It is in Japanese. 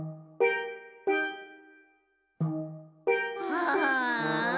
ああ。